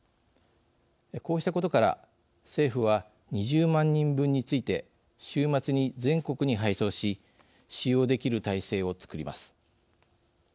こうしたことから、政府は２０万人分について週末に全国に配送し使用できる体制をつくります。